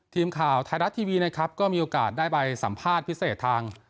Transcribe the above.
ทีมข่าวไทยรัฐทีวีนะครับก็มีโอกาสได้ไปสัมภาษณ์พิเศษทาง